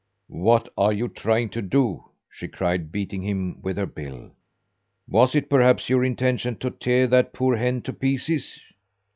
"What are you trying to do?" she cried, beating him with her bill. "Was it perhaps your intention to tear that poor hen to pieces?"